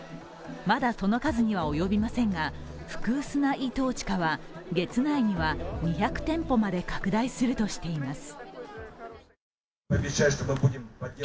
まだその数には及びませんが、フクースナ・イ・トーチカは月内には２００店舗まで拡大するとしています。